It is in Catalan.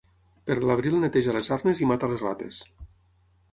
Per l'abril neteja les arnes i mata les rates.